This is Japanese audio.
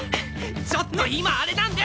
ちょっと今あれなんで！